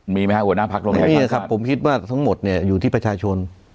มีไหมครับหัวหน้าพักโรงแพทย์พันธ์ศาสตร์มีไหมครับผมคิดว่าทั้งหมดเนี่ยอยู่ที่ประชาชน